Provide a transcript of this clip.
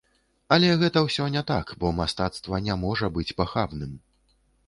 Але гэта ўсё не так, бо мастацтва не можа быць пахабным.